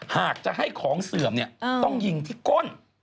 หากจะให้ของเสื่อมต้องยิงที่ก้น